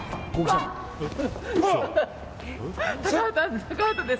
高畑です。